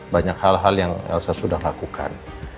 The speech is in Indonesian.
banyak hal hal yang saya sudah lakukan